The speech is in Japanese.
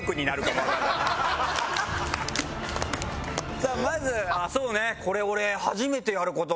さあまずああそうね。